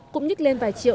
cũng nhích lên vài triệu